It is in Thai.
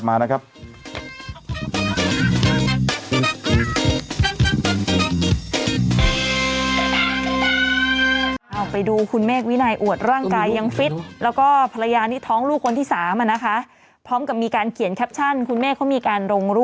มันก็ไม่รู้ต้องไปรอดูอีกทีหนึ่ง